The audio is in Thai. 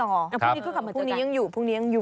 แต่พรุ่งนี้ก็กลับมาพรุ่งนี้ยังอยู่พรุ่งนี้ยังอยู่